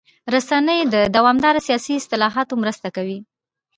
رسنۍ د دوامداره سیاسي اصلاحاتو مرسته کوي.